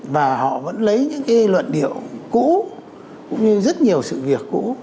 và họ vẫn lấy những cái luận điệu cũ cũng như rất nhiều sự việc cũ